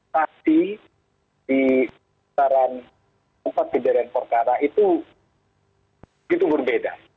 pasti di antara empat kejadian perkara itu itu berbeda